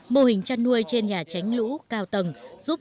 mô hình chăn nuôi trên nhà tránh lũ cao tầng giúp